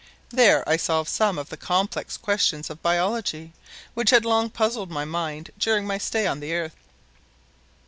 There I solved some of the complex questions of Biology which had long puzzled my mind during my stay on the Earth.